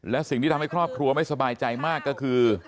และสิ่งที่ทำให้ครอบครัวไม่สบายใจมากก็คือ